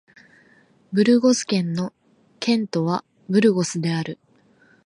ブルゴス県の県都はブルゴスである